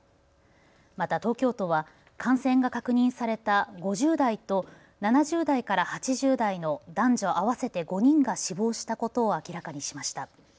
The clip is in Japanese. また東京都は感染が確認された５０代と７０代から８０代の男女合わせて５人が死亡したことを明らかにしました。